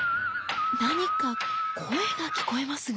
何か声が聞こえますが。